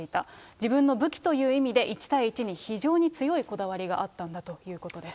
自分の武器という意味で、１対１に非常に強いこだわりがあったんだということです。